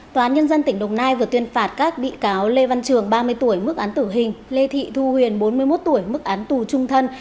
tòa án nhân dân tỉnh đồng nai vừa tuyên phạt các bị cáo lê văn trường ba mươi tuổi mức án tử hình lê thị thu huyền bốn mươi một tuổi mức án tù trung thân